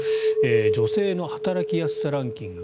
女性の働きやすさランキング